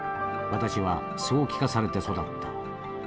私はそう聞かされて育った。